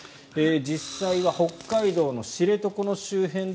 実際は北海道の知床の周辺で